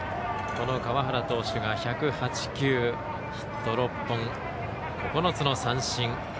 この川原投手が１０８球ヒット６本、９つの三振。